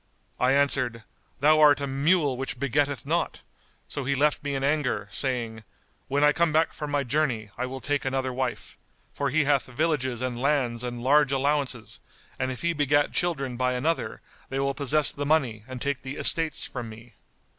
I answered, 'Thou art a mule which begetteth not'; so he left me in anger, saying, 'When I come back from my journey, I will take another wife,' for he hath villages and lands and large allowances, and if he begat children by another, they will possess the money and take the estates from me."